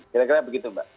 kira kira begitu mbak